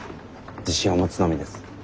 自信を持つのみです。